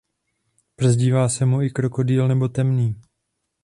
Přezdívá se mu i Krokodýl nebo Temný.